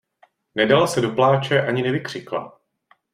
Nedala se do pláče, ani nevykřikla.